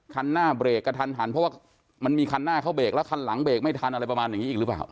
คันหน้าเบรกกระทันหันเพราะว่ามันมีคันหน้าเขาเบรกแล้วคันหลังเบรกไม่ทันอะไรประมาณอย่างนี้อีกหรือเปล่า